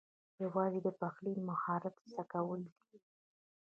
یوازې د پخلي مهارت زده کول دي